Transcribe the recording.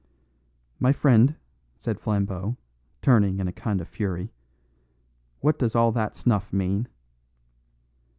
"My friend," said Flambeau, turning in a kind of fury, "what does all that snuff mean?"